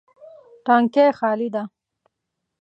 تانکی خالي ده